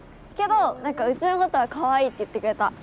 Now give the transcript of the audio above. けどなんかうちのことはかわいいって言ってくれた。